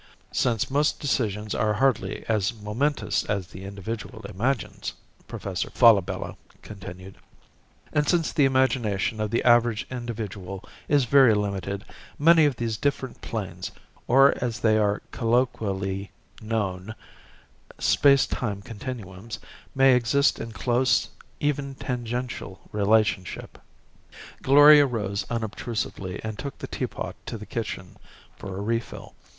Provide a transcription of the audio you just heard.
"Since most decisions are hardly as momentous as the individual imagines," Professor Falabella continued, "and since the imagination of the average individual is very limited, many of these different planes or, as they are colloquially known, space time continuums may exist in close, even tangential relationship." Gloria rose unobtrusively and took the teapot to the kitchen for a refill.